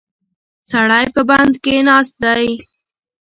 سړی په بند کې ناست دی.